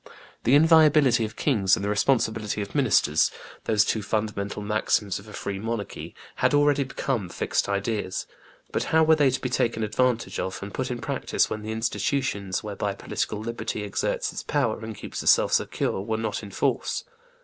The inviolability of kings and the responsibility of ministers, those two fundamental maxims of a free monarchy, had already become fixed ideas; but how were they to be taken advantage of and put in practice when the institutions whereby political liberty exerts its powers and keeps itself secure were not in force?